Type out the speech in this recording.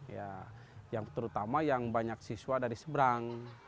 ya yang terutama yang banyak siswa dari seberang